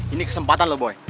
ini kesempatan loh boy